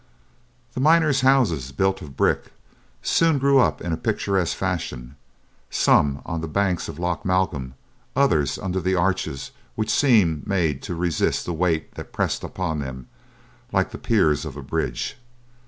The miners' houses, built of brick, soon grew up in a picturesque fashion; some on the banks of Loch Malcolm, others under the arches which seemed made to resist the weight that pressed upon them, like the piers of a bridge.